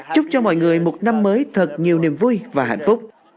chúc cho mọi người một năm mới thật nhiều niềm vui và hạnh phúc